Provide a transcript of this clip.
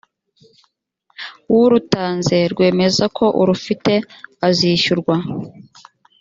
w urutanze rwemeza ko urufite azishyurwa